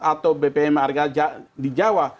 atau bpm harga di jawa